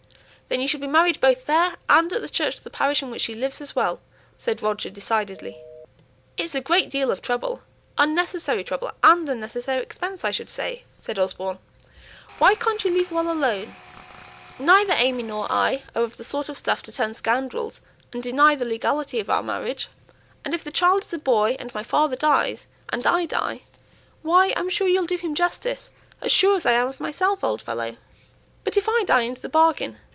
"Then you shall be married both there and at the church of the parish in which she lives as well," said Roger, decidedly. "It's a great deal of trouble, unnecessary trouble, and unnecessary expense, I should say," said Osborne. "Why can't you leave well alone? Neither AimÄe nor I are of the sort of stuff to turn scoundrels and deny the legality of our marriage; and if the child is a boy and my father dies, and I die, why I'm sure you'll do him justice, as sure as I am of myself, old fellow!" "But if I die into the bargain?